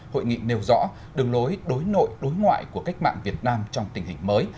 hội nghị nêu rõ đường lối đối nội đối ngoại của cách mạng việt nam trong tình hình mới